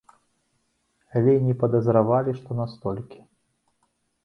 Але і не падазравалі, што настолькі.